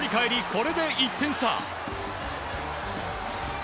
これで１点差。